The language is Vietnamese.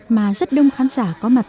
mà rất đông khán giả có mặt